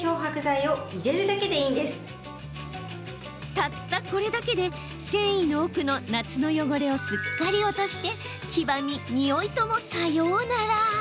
たったこれだけで繊維の奥の夏の汚れをすっかり落として黄ばみ、においとも、さようなら。